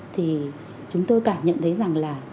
thì chúng tôi cảm nhận thấy rằng là